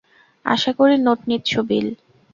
আশা করি নোট নিচ্ছো, বিল।